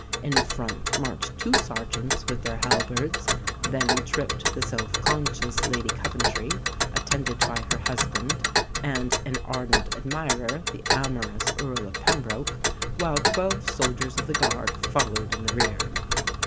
In front marched two sergeants with their halberds, then tripped the self conscious Lady Coventry, attended by her husband and an ardent admirer, the amorous Earl of Pembroke, while twelve soldiers of the guard followed in the rear!"